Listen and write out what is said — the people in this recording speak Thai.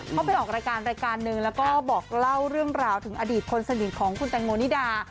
เขาไปออกรายการรายการหนึ่งแล้วก็บอกเล่าเรื่องราวถึงอดีตคนสนิทของคุณแตงโมนิดา